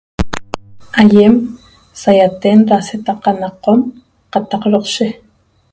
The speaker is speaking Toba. Aýem saýaten da setaqa na Qom qataq Doqshe